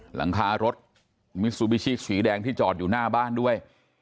หลังคารถมิซูบิชิสีแดงที่จอดอยู่หน้าบ้านด้วย